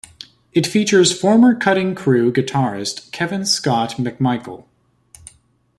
It features former Cutting Crew guitarist Kevin Scott MacMichael.